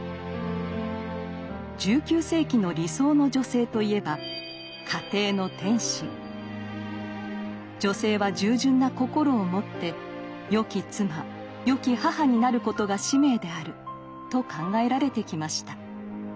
１９世紀の理想の女性といえば女性は従順な心を持ってよき妻よき母になることが使命であると考えられてきました。